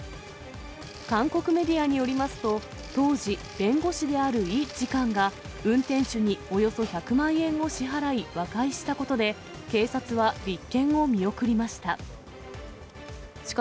韓国メディアによりますと、当時、弁護士であるイ次官が、運転手におよそ１００万円を支払い和解したことで、警察は立件を見送りました。